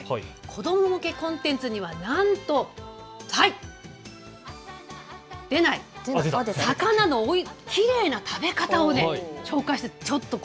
子ども向けコンテンツにはなんと魚のきれいな食べ方を紹介しているんです。